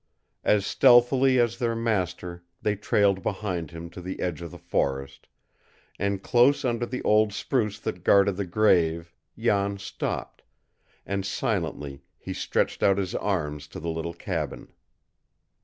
As stealthily as their master they trailed behind him to the edge of the forest, and close under the old spruce that guarded the grave Jan stopped, and silently he stretched out his arms to the little cabin.